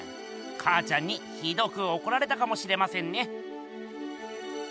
かあちゃんにひどくおこられたかもしれませんね。